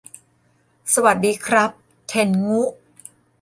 สวัสดีครับ เทนงุ !